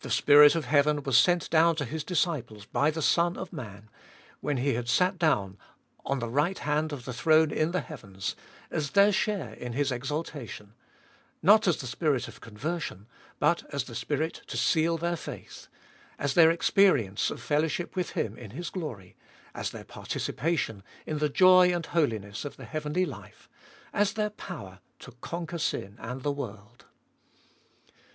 The Spirit of heaven was sent down to His disciples by the Son of Man, when He had sat down on the right hand of 262 abe fbolfest of 2UI the throne in the heavens, as their share in His exaltation ; not as the Spirit of conversion, but as the Spirit to seal their faith ; as their experience of fellowship with Him in His glory ; as their participation in the joy and holiness of the heavenly life ; as their power to conquer sin and the world.